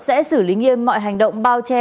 sẽ xử lý nghiêm mọi hành động bao che